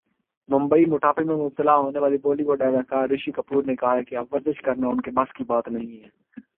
ممبئی موٹاپے میں مبتلا ہونے والے بالی ووڈ اداکار رشی کپور نے کہا ہے کہ اب ورزش کرنا انکے بس کی بات نہیں ہے